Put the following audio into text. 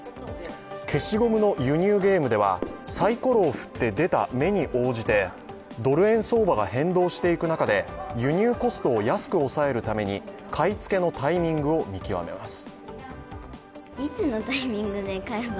消しゴムの輸入ゲームではサイコロを振って出た目に応じてドル円相場が変動していく中で輸入コストを安く抑えるために買い付けのタイミングを見極めます。